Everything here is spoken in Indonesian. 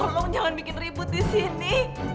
tolong jangan bikin ribut disini